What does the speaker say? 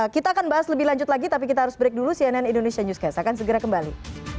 kita akan bahas lebih lanjut lagi tapi kita harus break dulu cnn indonesia newscast akan segera kembali